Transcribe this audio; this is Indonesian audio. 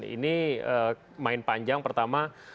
ini main panjang pertama